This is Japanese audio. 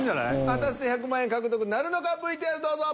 果たして１００万円獲得なるのかＶＴＲどうぞ。